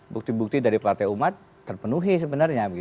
bukti bukti dari partai umat terpenuhi sebenarnya